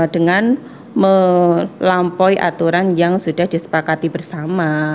dengan melampaui aturan yang sudah disepakati bersama